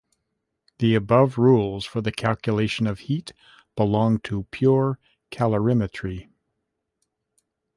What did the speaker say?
The above rules for the calculation of heat belong to pure calorimetry.